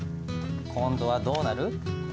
今度はどうなる？